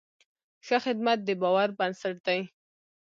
ښه خدمت د باور بنسټ دی.